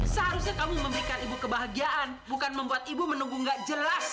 seharusnya kamu memberikan ibu kebahagiaan bukan membuat ibu menunggu gak jelas